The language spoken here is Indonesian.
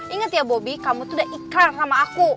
ingat ya bobi kamu tuh udah ikrar sama aku